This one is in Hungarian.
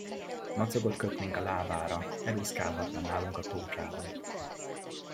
Madzagot kötnénk a lábára, elúszkálhatna nálunk a tócsában.